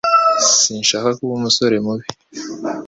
Sinshaka kuba umusore mubi